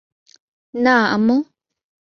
না, আম্মু।